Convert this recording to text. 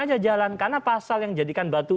aja jalan karena pasal yang jadikan batu